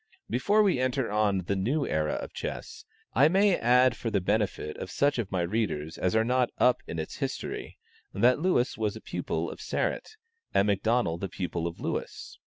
Before we enter on the new era of chess, I may add for the benefit of such of my readers as are not "up" in its history, that Lewis was the pupil of Sarratt, and McDonnel the pupil of Lewis.